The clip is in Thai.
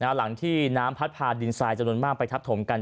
หลังที่น้ำพัดพาดินทรายจำนวนมากไปทับถมกัน